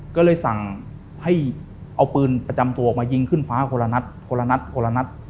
ก็เลยสั่งให้เอาปืนประจำตัวมายิงขึ้นฟ้าคนละนัด